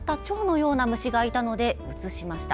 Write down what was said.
ような虫がいたので写しました。